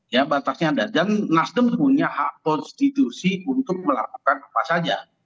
ya batasnya ada dan nasdem punya hak konstitusi untuk melakukan apa saja